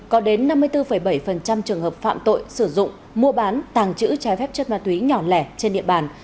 có đến năm mươi bốn bảy trường hợp phạm tội sử dụng mua bán tàng trữ trái phép chất ma túy nhỏ lẻ trên địa bàn